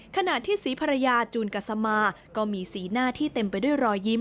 ขณะที่ศรีภรรยาจูนกัสมาก็มีสีหน้าที่เต็มไปด้วยรอยยิ้ม